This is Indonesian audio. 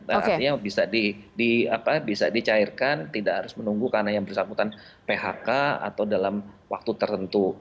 artinya bisa dicairkan tidak harus menunggu karena yang bersangkutan phk atau dalam waktu tertentu